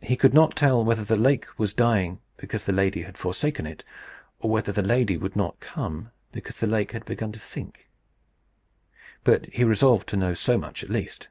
He could not tell whether the lake was dying because the lady had forsaken it; or whether the lady would not come because the lake had begun to sink. But he resolved to know so much at least.